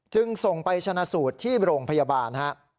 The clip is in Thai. จึงส่งไปชนะสูตรที่โรงพยาบาลฮะ